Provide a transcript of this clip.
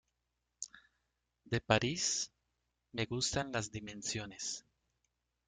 De París, me gustan las dimensiones.